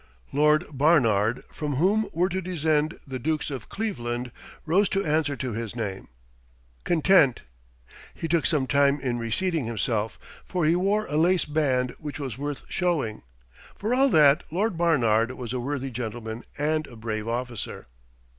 Lord Barnard, from whom were to descend the Dukes of Cleveland, rose to answer to his name. "Content." He took some time in reseating himself, for he wore a lace band which was worth showing. For all that, Lord Barnard was a worthy gentleman and a brave officer.